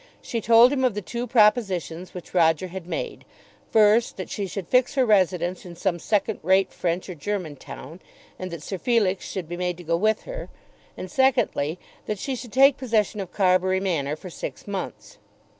She told him of the two propositions which Roger had made: first, that she should fix her residence in some second rate French or German town, and that Sir Felix should be made to go with her; and, secondly, that she should take possession of Carbury manor for six months.